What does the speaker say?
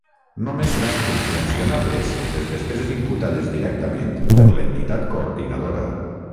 Només seran subvencionables les despeses imputades directament per l'entitat coordinadora.